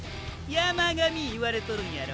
山神言われとるんやろ？